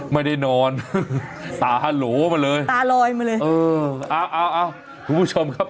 ไม่ได้นอนตาโหลมาเลยตาลอยมาเลยเออเอาเอาคุณผู้ชมครับ